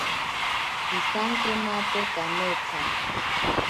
Pisankenate kametsa.